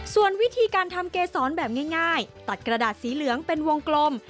ส่วนวิธีการทำเกษรแบบง่ายตัดกระดาษสีเหลืองเป็นวงกลม